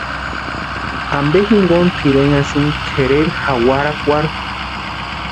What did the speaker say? ¿Ampe jinkoni tʼirenhasïnki kʼereri jawarakwarhu?